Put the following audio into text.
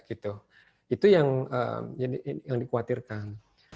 itu yang dikhawatirkan